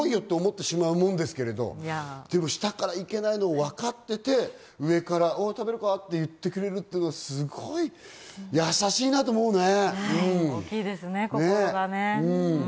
向こうから来いよと思ってしまうもんですけれど、でも下からいけないのをわかっていて、上から食べるか？って言ってくれるっていうのはすごいやさしいなと思うね。